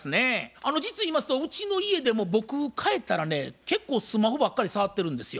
実言いますとうちの家でも僕帰ったらね結構スマホばっかり触ってるんですよ。